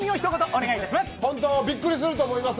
お願いします。